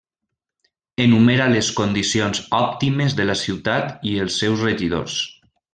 Enumera les condicions òptimes de la ciutat i els seus regidors.